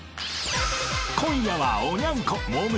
［今夜はおニャン子モー娘。